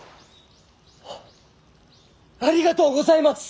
ありがとうございます！